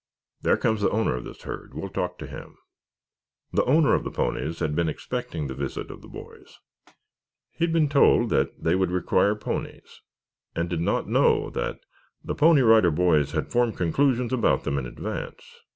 There comes the owner of this herd. We'll talk to him." The owner of the ponies had been expecting the visit of the boys. He had been told that they would require ponies and did not know that the Pony Rider Boys had formed conclusions about them in advance.